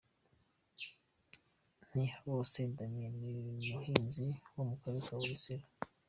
Ntihabose Damien ni umuhinzi wo mu Karere ka Bugesera.